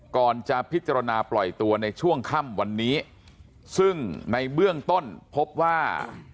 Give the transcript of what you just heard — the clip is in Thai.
ก่อนจะพิจารณาปล่อยตัวในช่วงค่ำวันนี้ซึ่งในเบื้องต้นพบว่า